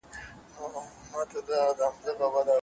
هغه شپه مي د ژوندون وروستی ماښام وای